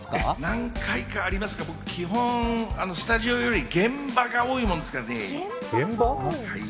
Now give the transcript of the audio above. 何回かありますが、基本スタジオより現場が多いもんですからね。